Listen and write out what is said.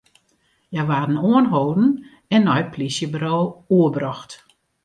Hja waarden oanholden en nei it polysjeburo oerbrocht.